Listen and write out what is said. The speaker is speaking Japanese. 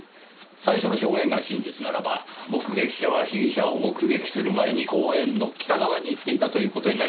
最初の証言が真実ならば目撃者は被疑者を目撃する前に公園の北側に行っていたという事になります。